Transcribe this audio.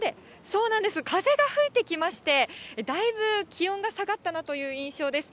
そうなんです、風が吹いてきまして、だいぶ気温が下がったなという印象です。